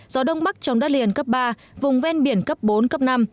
gió đông bắc trong đất liền cấp ba vùng ven biển cấp bốn cấp năm